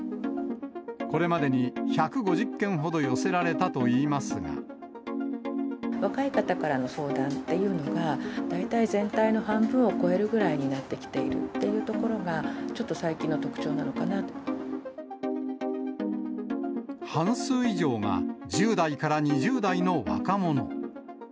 これまでに１５０件ほど寄せられ若い方からの相談っていうのが、大体全体の半分を超えるくらいになってきているというところが最半数以上が１０代から２０代の若者。